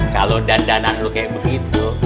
kalau dandanan lu kayak begitu